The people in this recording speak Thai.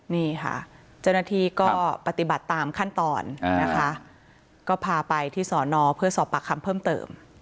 นี่ค่ะเจ้าหน้าที่ก็ปฏิบัติตามขั้นตอนนะคะก็พาไปที่สอนอเพื่อสอบปากคำเพิ่มเติม